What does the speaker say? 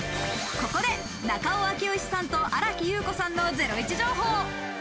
ここで中尾明慶さんと新木優子さんのゼロイチ情報。